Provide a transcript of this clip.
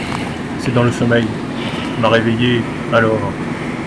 C’est dans le sommeil,… tu m’as réveillée, alors…